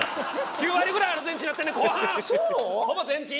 ９割ぐらいアルゼンチンになってんねん！